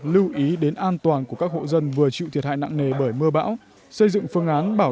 lưu ý đến an toàn của các hộ dân vừa chịu thiệt hại nặng nề bởi mưa bão xây dựng phương án bảo